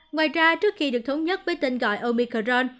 ngoài ra trước khi được thống nhất với tên gọi omicron